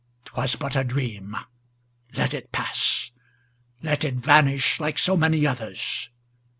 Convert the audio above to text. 'T was but a dream, let it pass, let it vanish like so many others!